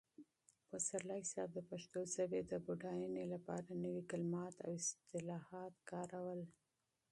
پسرلي صاحب د پښتو ژبې د بډاینې لپاره نوي کلمات او اصطلاحات وکارول.